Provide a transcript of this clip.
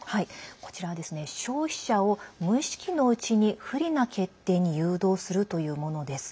こちらはですね消費者を無意識のうちに不利な決定に誘導するというものです。